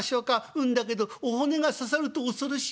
『うんだけどお骨が刺さると恐ろしいから』。